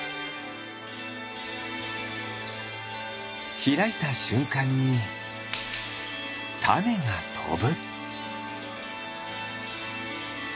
ひらいたしゅんかんにたねがとぶ。